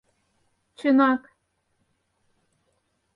Чынак.